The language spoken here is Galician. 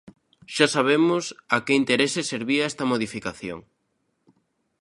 Xa sabemos a que intereses servía esta modificación.